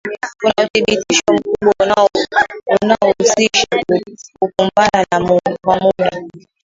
Kuna uthibitisho mkubwa unaohusisha kukumbana kwa muda